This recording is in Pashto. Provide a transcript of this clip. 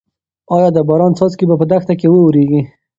ايا د باران څاڅکي به په دښته کې واوریږي؟